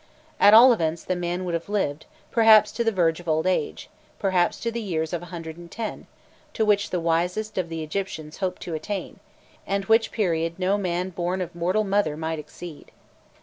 At all events the man would have lived, perhaps to the verge of old age, perhaps to the years of a hundred and ten, to which the wisest of the Egyptians hoped to attain, and which period no man born of mortal mother might exceed.